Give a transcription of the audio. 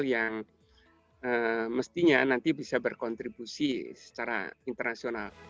yang mestinya nanti bisa berkontribusi secara internasional